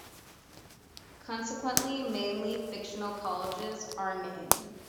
Consequently, many fictional colleges are named.